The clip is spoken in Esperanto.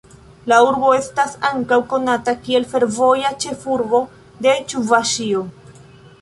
La urbo estas ankaŭ konata kiel ""fervoja ĉefurbo de Ĉuvaŝio"".